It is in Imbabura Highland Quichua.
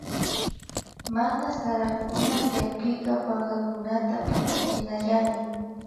Mana sarakuna tyakpika pankakunata patachinallami